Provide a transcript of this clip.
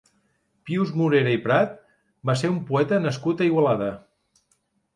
Pius Morera i Prat va ser un poeta nascut a Igualada.